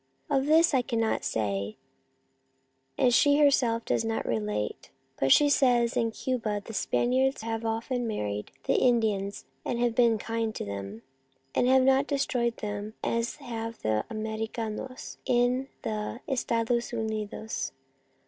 Of this I cannot say, and Easter in Sevilla 67 she herself does not relate, but she says that in Cuba the Spaniards have often married the Indians and have been kind to them, and have not destroyed them as have the Americanos in the Estados Unidos.